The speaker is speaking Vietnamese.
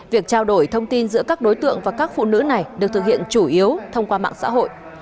việc trao đổi thông tin giữa các đối tượng và các phụ nữ này được thực hiện chủ yếu thông qua mạng xã hội